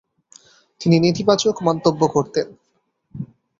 তিনি নেতিবাচক মন্তব্য করতেন।